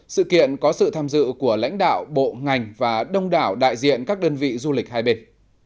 sự kiện có sự tham dự của lãnh đạo bộ ngành và đông đảo đại diện các đơn vị du lịch hai bên